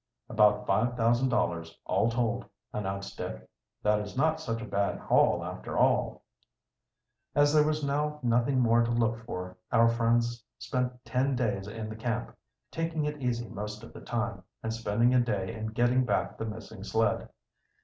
"About five thousand dollars, all told," announced Dick. "That is not such a bad haul, after all." As there was now nothing more to look for, our friends spent ten days in the camp, taking it easy most of the time, and spending a day in getting back the missing sled.